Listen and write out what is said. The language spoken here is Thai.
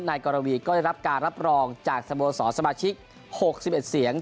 นายกรวีก็ได้รับการรับรองจากสโมสรสมาชิก๖๑เสียง